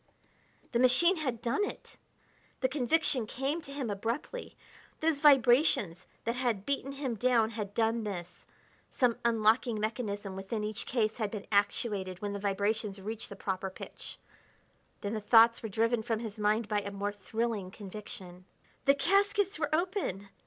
The machine had done it! The conviction came to him abruptly. Those vibrations that had beaten him down had done this: some unlocking mechanism within each case had been actuated when the vibrations reached the proper pitch. Then the thoughts were driven from his mind by a more thrilling conviction: The caskets were open!